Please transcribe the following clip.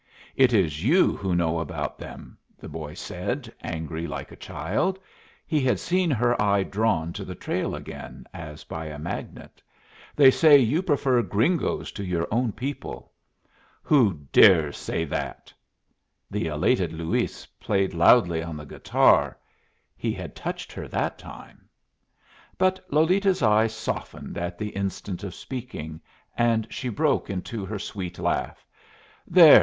"It is you who know about them," the boy said, angry like a child. He had seen her eye drawn to the trail again as by a magnet. "They say you prefer gringos to your own people." "Who dares say that?" The elated Luis played loudly on the guitar. He had touched her that time. But Lolita's eye softened at the instant of speaking, and she broke into her sweet laugh. "There!"